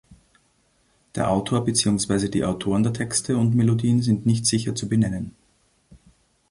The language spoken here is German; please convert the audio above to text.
Der Autor beziehungsweise die Autoren der Texte und Melodien sind nicht sicher zu benennen.